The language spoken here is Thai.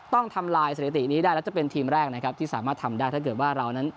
ต้องทำลายสถิตินี้ได้แล้วจะเป็นทีมแรกนะครับที่สามารถทำได้ถ้าเกิดว่าเรานั้น